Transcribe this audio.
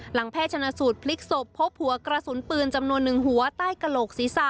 หลังแพร่ชนสูตรพลิกสบพบหัวกระสุนปืนจำนวนหนึ่งหัวใต้กระโหลกศีรษะ